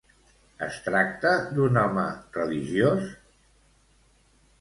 Es tracta d'un home religiós?